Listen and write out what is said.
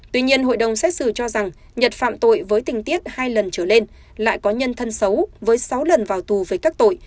tuy nhiên hội đồng xét xử cho rằng nhật phạm tội với tình tiết hai lần trở lên lại có nhân thân xấu với sáu lần vào tù với các tội